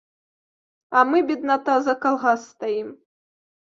А мы, бедната, за калгас стаім!